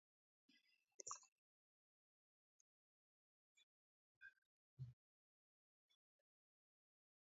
Excuse me, why are you acting so rude? Tell me the truth now.